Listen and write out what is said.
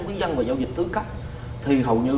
với dân và giao dịch thứ cấp thì hầu như